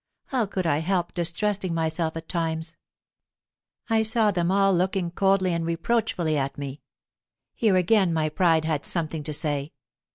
How could I help distrusting myself at times? I saw them all looking coldly and reproachfully at me. Here again my pride had something to say.